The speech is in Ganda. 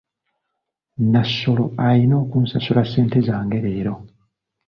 Nnassolo alina onkusasula ssente zange leero.